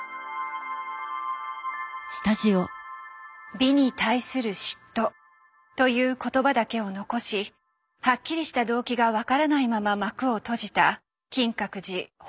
「美に対する嫉妬」という言葉だけを残しはっきりした動機が分からないまま幕を閉じた金閣寺放火事件。